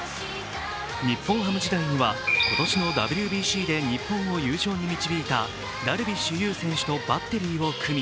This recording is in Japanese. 日本ハム時代には今年のＷＢＣで日本を優勝に導いたダルビッシュ有選手とバッテリーを組み